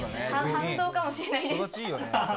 反動かもしれないです。